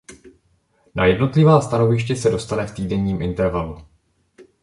Na jednotlivá stanoviště se dostane v týdenním intervalu.